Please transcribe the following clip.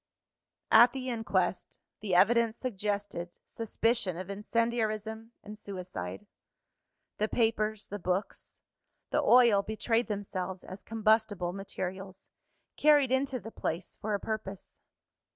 At the inquest, the evidence suggested suspicion of incendiarism and suicide. The papers, the books, the oil betrayed themselves as combustible materials, carried into the place for a purpose.